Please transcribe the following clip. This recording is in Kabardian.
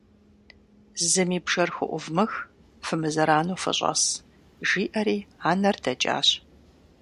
– Зыми бжэр хуӏувмых, фымызэрану фыщӏэс, - жиӏэри анэр дэкӏащ.